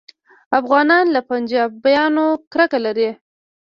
افغانان له پنجابیانو کرکه لري